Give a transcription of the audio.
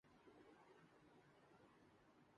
خیر دونوں کے اجتماع میں ہے۔